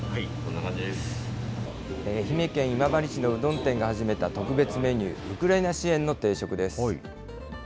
愛媛県今治市のうどん店が始めた特別メニュー、ウクライナ支援の定食です。